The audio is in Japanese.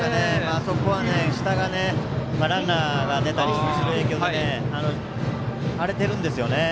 あそこは、下がランナーが出たりする影響で荒れているんですよね。